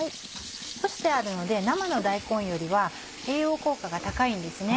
干してあるので生の大根よりは栄養効果が高いんですね。